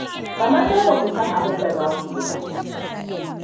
Kamar dai ba ku san abin da za ku yi ba.